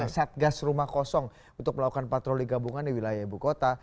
satgas rumah kosong untuk melakukan patroli gabungan di wilayah ibu kota